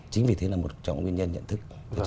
chính vì thế là một trong nguyên nhân nhận thức